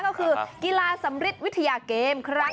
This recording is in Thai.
ก็คือกีฬาสำริทวิทยาเกมครั้ง